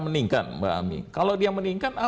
meningkat mbak ami kalau dia meningkat